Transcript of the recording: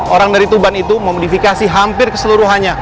orang dari tuban itu memodifikasi hampir keseluruhannya